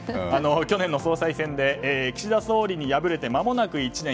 去年の総裁選で岸田総理に敗れて、まもなく１年。